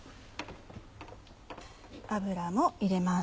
油も入れます。